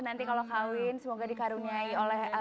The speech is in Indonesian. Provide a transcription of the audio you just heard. nanti kalau kawin semoga dikaruniai oleh